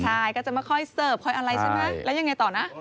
ใช่ก็จะไม่ค่อยเสิร์ฟค่อยอะไรใช่ไหมแล้วยังไงต่อนะ